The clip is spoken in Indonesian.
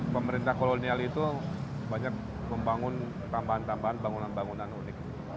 pemerintah kolonial itu banyak membangun tambahan tambahan bangunan bangunan unik